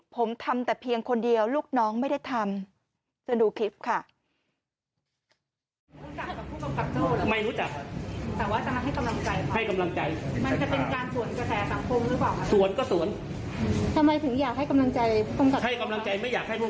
ผมทำแต่เพียงคนเดียวลูกน้องไม่ได้ทำจะดูคลิปค่ะ